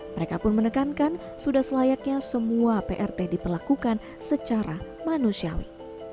mereka pun menekankan sudah selayaknya semua prt diperlakukan secara manusiawi